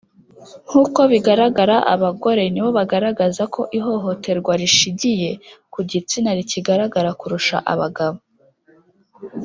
Nkuko bigaragara abagore nibo bagaragaza ko ihohoterwa rishigiye ku gitsina rikigaragara kurusha abagabo.